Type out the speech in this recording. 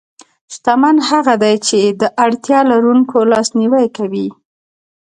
شتمن هغه دی چې د اړتیا لرونکو لاسنیوی کوي.